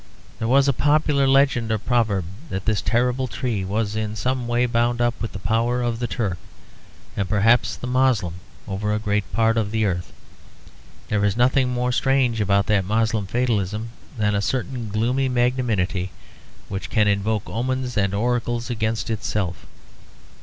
There was a popular legend or proverb that this terrible tree was in some way bound up with the power of the Turk, and perhaps the Moslem over a great part of the earth. There is nothing more strange about that Moslem fatalism than a certain gloomy magnanimity which can invoke omens and oracles against itself.